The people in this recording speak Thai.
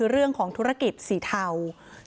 เรื่องของธุรกิจสีเทา